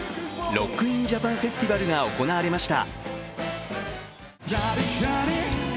ＲＯＣＫＩＮＪＡＰＡＮＦＥＳＴＩＶＡＬが行われました。